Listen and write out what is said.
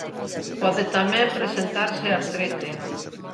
Pode tamén presentarse artrite.